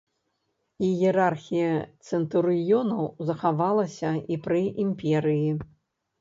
Іерархія цэнтурыёнаў захавалася і пры імперыі.